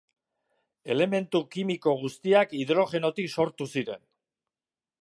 Elementu kimiko guztiak hidrogenotik sortu ziren.